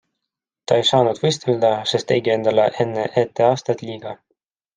Ta ei saanud võistelda, sest tegi endale enne etteastet liiga.